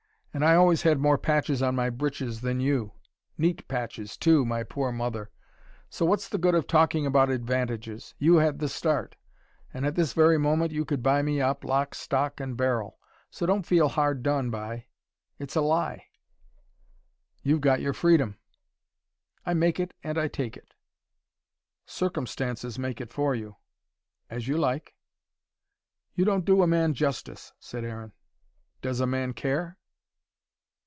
And I always had more patches on my breeches than you: neat patches, too, my poor mother! So what's the good of talking about advantages? You had the start. And at this very moment you could buy me up, lock, stock, and barrel. So don't feel hard done by. It's a lie." "You've got your freedom." "I make it and I take it." "Circumstances make it for you." "As you like." "You don't do a man justice," said Aaron. "Does a man care?"